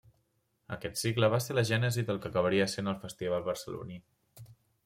Aquest cicle va ser la gènesi del que acabaria sent el festival barceloní.